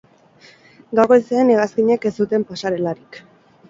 Gaur goizean hegazkinek ez zuten pasarelarik.